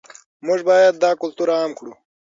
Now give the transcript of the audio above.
موږ باید دا کلتور عام کړو.